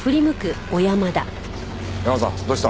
ヤマさんどうした？